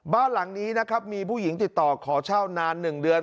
บ้านหลังนี้นะครับมีผู้หญิงติดต่อขอเช่านาน๑เดือน